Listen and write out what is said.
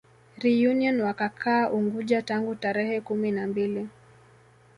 Reunion wakakaa Unguja tangu tarehe kumi na mbili